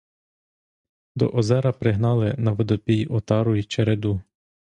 До озера пригнали на водопій отару й череду.